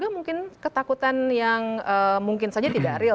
mungkin ketakutan yang mungkin saja tidak real